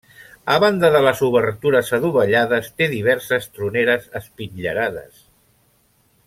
A banda de les obertures adovellades, té diverses troneres espitllerades.